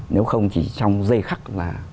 nếu không chỉ trong dây khắc là